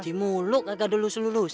nguji muluk agak delus delus